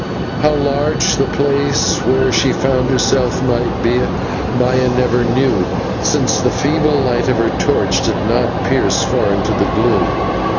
How large the place where she found herself might be Maya never knew, since the feeble light of her torch did not pierce far into the gloom.